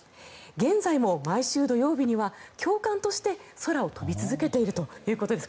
現在も毎週土曜日には教官として空を飛び続けているということです。